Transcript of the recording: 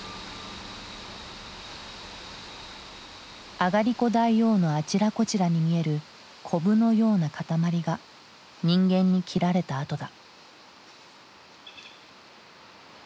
あがりこ大王のあちらこちらに見えるコブのような塊が人間に切られた跡だ。